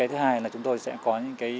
thứ hai là chúng tôi sẽ có những